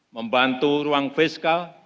membantu ruang fiskal